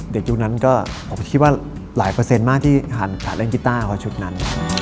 เด็กยุคนั้นก็ผมคิดว่าหลายเปอร์เซ็นต์มากที่หาเล่นกิต้าของชุดนั้น